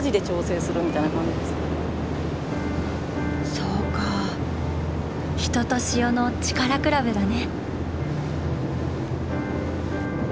そうか人と潮の力比べだね。